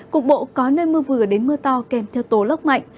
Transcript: cục bộ có nơi mưa vừa đến mưa to kèm theo tố lốc mạnh